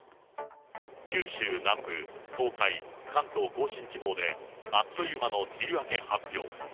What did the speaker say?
九州南部、東海、関東甲信地方で、あっという間の梅雨明け発表。